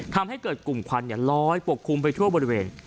ทำให้เกิดกลุ่มควันลอยปกคลุมไปทั่วบริเวณ